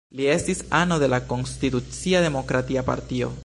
Li estis ano de la Konstitucia Demokratia Partio.